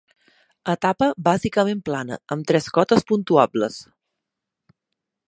Etapa bàsicament plana, amb tres cotes puntuables.